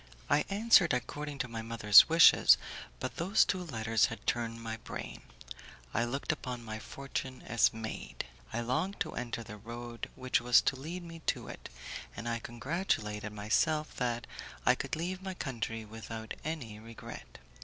I answered according to my mother's wishes, but those two letters had turned my brain. I looked upon my fortune as made. I longed to enter the road which was to lead me to it, and I congratulated myself that I could leave my country without any regret.